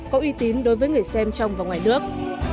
có uy tín đối với người xem trong và ngoài nước